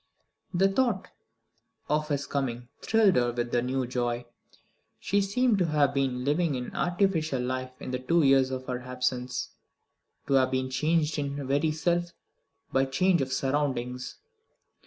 The thought of his coming thrilled her with a new joy. She seemed to have been living an artificial life in the two years of her absence, to have been changed in her very self by change of surroundings.